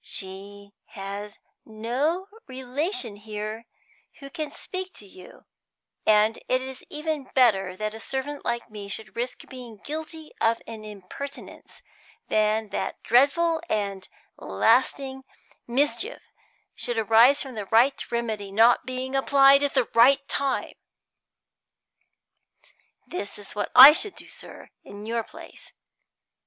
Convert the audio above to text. She has no relation here who can speak to you; and it is even better that a servant like me should risk being guilty of an impertinence, than that dreadful and lasting mischief should arise from the right remedy not being applied at the right time. This is what I should do, sir, in your place.